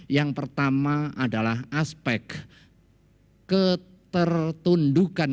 yang pertama adalah aspek ketertundukan